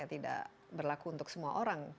tidak berlaku untuk semua orang